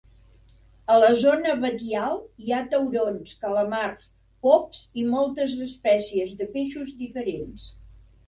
A la zona batial hi ha taurons, calamars, pops i moltes espècies de peixos diferents.